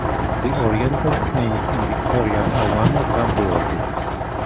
The Oriental Claims in Victoria are one example of this.